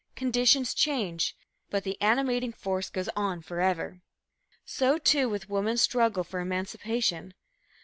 Conditions change, but the animating force goes on forever. So, too, with woman's struggle for emancipation.